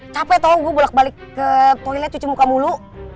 capek tolong gue bolak balik ke toilet cuci muka mulu